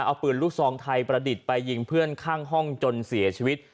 เอาปืนลูกซองไทยประดิษฐ์ไปยิงเพื่อนข้างห้องจนเสียชีวิต